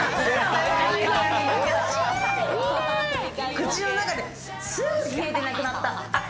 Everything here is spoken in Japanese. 口の中ですぐ消えてなくなった。